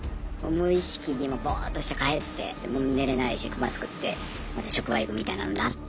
無意識にもうボーッとして帰って寝れないしくまつくってまた職場行くみたいなのになって。